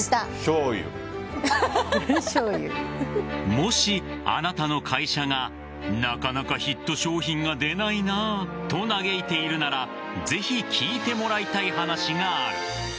もしあなたの会社がなかなかヒット商品が出ないなと嘆いているならぜひ聞いてもらいたい話がある。